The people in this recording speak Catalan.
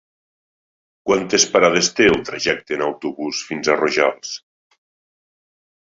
Quantes parades té el trajecte en autobús fins a Rojals?